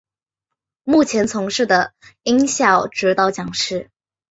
目前从事的音效指导讲师。